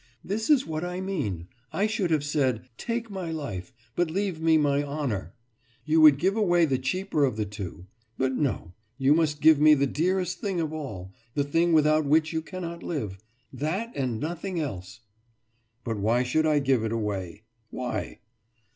»This is what I mean. I should have said: Take my life, but leave me my honour. You would give away the cheaper of the two. But, no you must give me the dearest thing of all, the thing without which you cannot live that and nothing else!« »But why should I give it away? Why?